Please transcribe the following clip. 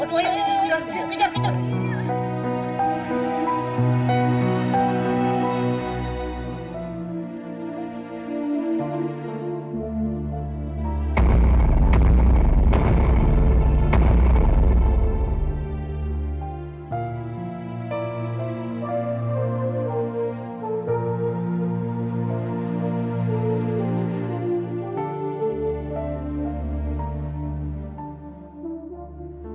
tunggu aku belum menyerahkan